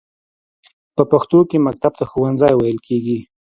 په پښتو کې مکتب ته ښوونځی ویل کیږی.